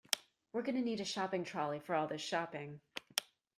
We're going to need a shopping trolley for all this shopping